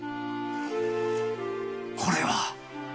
これは！